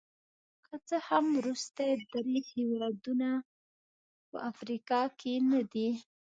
که څه هم وروستي درې هېوادونه په افریقا کې نه دي.